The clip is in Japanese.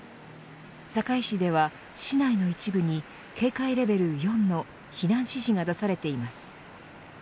堺市では市内の一部に警戒レベル４の避難指示が出されています。